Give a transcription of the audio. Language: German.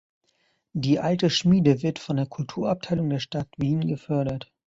Die Alte Schmiede wird von der Kulturabteilung der Stadt Wien gefördert.